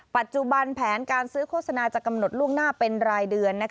ปัจจุบันแผนการซื้อโฆษณาจะกำหนดล่วงหน้าเป็นรายเดือน